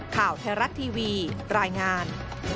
ข่าวไทยรัฐทีวีรายงาน